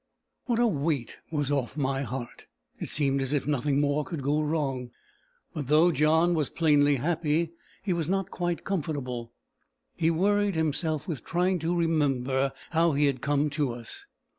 What a weight was off my heart! It seemed as if nothing more could go wrong. But, though John was plainly happy, he was not quite comfortable: he worried himself with trying to remember how he had come to us.